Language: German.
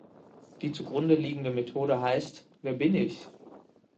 Die zugrundeliegende Methode heißt: "Wer bin ich?